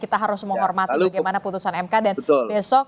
kita harus menghormati bagaimana putusan mk dan besok